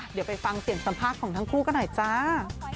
เดี๋ยวไปฟังเสียงสัมภาษณ์ของทั้งคู่กันหน่อยจ้า